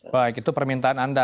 baik itu permintaan anda